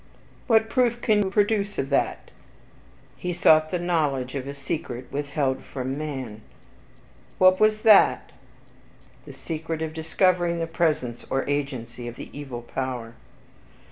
"What proof can you produce of that?" "He sought the knowledge of a secret withheld from man." "What was that?" "The secret of discovering the presence or agency of the evil power."